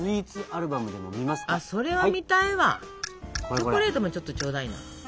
チョコレートもちょっとちょうだいな。